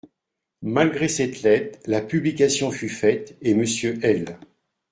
Malgré cette lettre, la publication fut faite et Monsieur L.